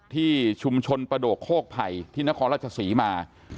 ที่ชุมชนประโดกโคกไผ่ที่นครราชศรีมา